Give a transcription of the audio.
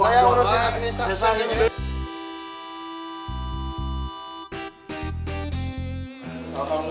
nah itu beres beres ya kita mau pulang